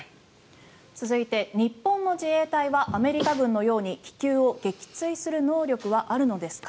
続いて、日本の自衛隊はアメリカ軍のように気球を撃墜する能力はあるのですか？